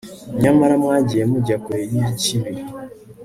Nyamara mwagiye mujya kure yikibi